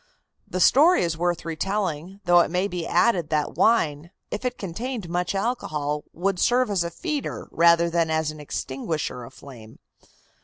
The story is worth retelling, though it may be added that wine, if it contained much alcohol, would serve as a feeder rather than as an extinguisher of flame.